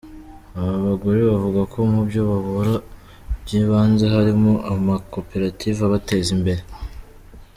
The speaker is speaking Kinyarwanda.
Abo bagore bavuga ko mu byo babura by’ibanze harimo amakoperative abateza imbere.